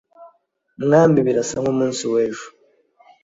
mwami birasa nk'umunsi wejo